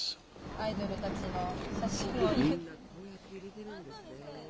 アイドルたちの写真を入れて。